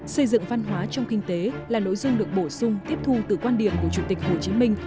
xây dựng văn hóa trong kinh tế là nội dung được bổ sung tiếp thu từ quan điểm của chủ tịch hồ chí minh